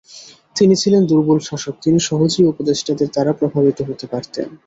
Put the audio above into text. তিনি ছিলেন দূর্বল শাসক, তিনি সহজেই উপদেষ্টাদের দ্বারা প্রভাবিত হয়ে পরতেন।